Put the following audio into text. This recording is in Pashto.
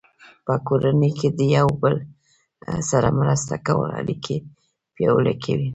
په کورنۍ کې د یو بل سره مرسته کول اړیکې پیاوړې کوي.